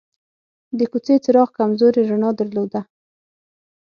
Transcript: د کوڅې څراغ کمزورې رڼا درلوده.